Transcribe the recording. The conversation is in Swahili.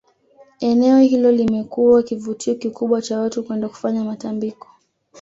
Eneo hilo limekuwa kivutio kikubwa cha watu kwenda kufanya matambiko